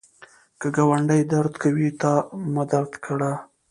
که ګاونډی درد کوي، تا مه درد کړه